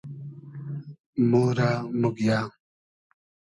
مۉرۂ موگیۂ